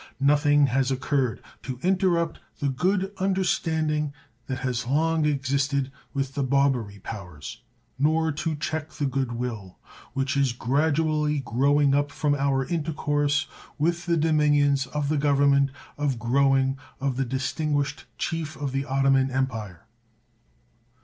Nothing has occurred to interrupt the good understanding that has long existed with the Barbary Powers, nor to check the good will which is gradually growing up from our intercourse with the dominions of the Government of growing of the distinguished chief of the Ottoman Empire.